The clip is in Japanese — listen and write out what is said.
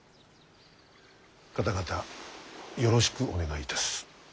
方々よろしくお願いいたす。